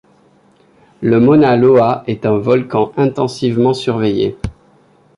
Le Mauna Loa est un volcan intensivement surveillé.